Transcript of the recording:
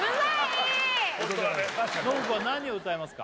信子は何を歌いますか？